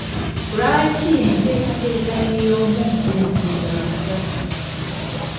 Lwaki enteekateeka ey'omuggundu ya mugaso?